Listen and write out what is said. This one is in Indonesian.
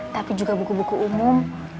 tapi juga buku buku umum